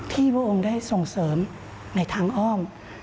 พระองค์ได้ส่งเสริมในทางอ้อม